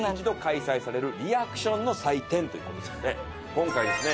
今回ですね